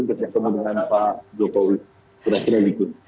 ketemu dengan pak jokowi